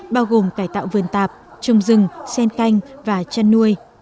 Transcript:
bao gồm cải tạo vườn tạp trồng rừng sen canh và chăn nuôi